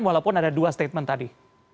walaupun ada dua statement tadi